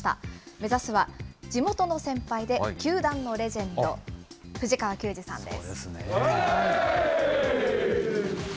目指すは地元の先輩で球団のレジェンド、藤川球児さんです。